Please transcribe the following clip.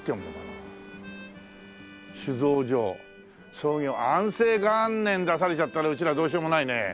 創業安政元年出されちゃったらうちらどうしようもないね。